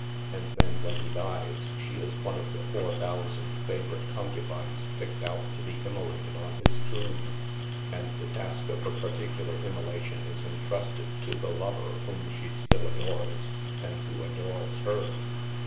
And then, when he dies, she is one of the four thousand favorite concubines picked out to be immolated on his tomb. And the task of her particular immolation is entrusted to the lover whom she still adores, and who adores her.